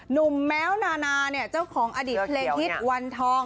แม้วนานาเนี่ยเจ้าของอดีตเพลงฮิตวันทอง